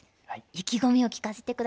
意気込みを聞かせて下さい。